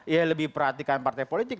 ya lebih perhatikan partai politik